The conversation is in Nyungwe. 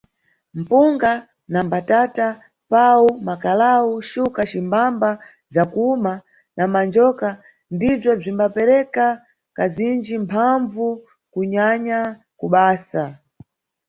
Mpunga, na mbatata, pau, makalau, xuka cimbamba zakuwuma na manjoka ndibzo bzimbapereka kazinji mphambvu kunyanya ku basa.